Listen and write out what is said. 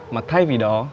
mà thay vì đó